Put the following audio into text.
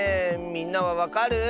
みんなはわかる？